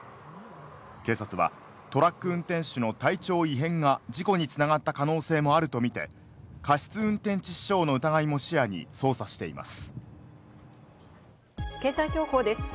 警察はトラック運転手の体調異変が事故に繋がった可能性もあるとみて過失運転致死傷の疑いも視野に捜査しています。